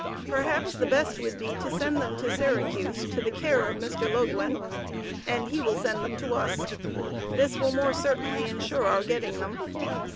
Perhaps the best would be to send them to Syracuse to the care of Mr. Loguen and he will send them to us. This will more certainly ensure our getting them.